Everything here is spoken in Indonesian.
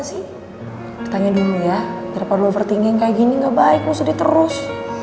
kita tanya dulu ya daripada lu over thinking kayak gini gak baik lu sedih terus